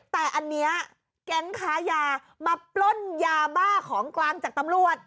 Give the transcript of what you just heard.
แต่อันนี้แก๊งค้ายามาปล้นยาบ้าของกลางจากตำรวจ